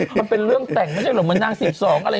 มันเป็นเรื่องแต่งไม่ใช่หรือมันนางสิบสองอะไร